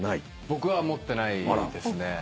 僕は持ってないですね。